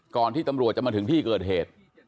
ที่ตำรวจจะมาถึงที่เกิดเหตุ